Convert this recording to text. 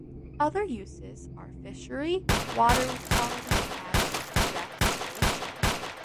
Other uses are fishery, water quality, and recreation.